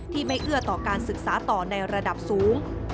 ที่ไม่เอื้อต่อการศึกษาต่อในระดับสูง